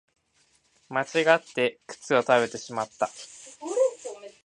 間違って靴を食べてしまった